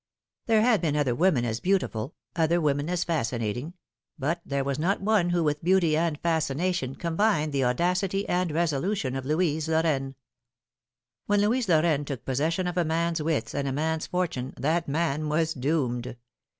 There had been other women as beautiful, other women as fascinating ; but there was not one who with beauty and fascination combined the audacity and resolution of Louise Lorraine. When Louise Lorraine took possession of a man's wits and a man's fortune that man was doomed.